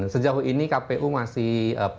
sejauh ini kpu masih